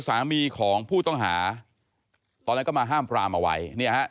สามีของผู้ต้องหาตอนนั้นก็มาห้ามปรามเอาไว้เนี่ยฮะ